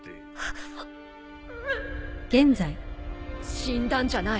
死んだんじゃない。